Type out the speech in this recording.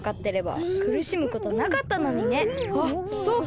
あっそうか！